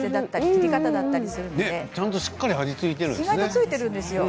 ちゃんとしっかり味が付いているのね。